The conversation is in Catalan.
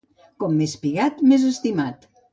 Com més pigat, més estimat.